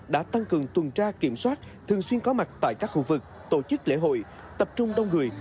đã tăng cường tuần tra kiểm soát thường xuyên có mặt tại các khu vực tổ chức lễ hội tập trung đông người